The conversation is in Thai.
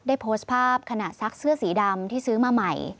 โพสต์ภาพขณะซักเสื้อสีดำที่ซื้อมาใหม่